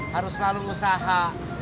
harus selalu usaha